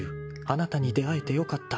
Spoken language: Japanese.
「あなたに出会えてよかった」］